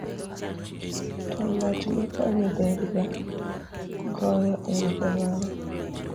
to ng'at mikonyo ber ga goyo erokamano